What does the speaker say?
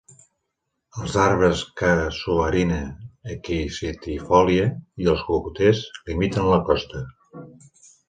Els arbres "Casuarina equisetifolia i els cocoters limiten la costa.